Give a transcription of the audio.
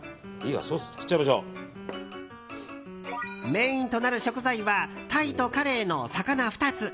メインとなる食材はタイとカレイの魚２つ。